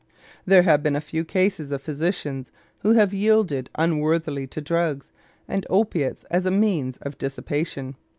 There have been a few cases of physicians who have yielded unworthily to drugs and opiates as a means of dissipation.